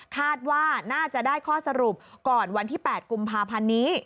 คาดว่าน่าจะได้ข้อสรุปก่อนวันที่๘กุมภาพันธ์นี้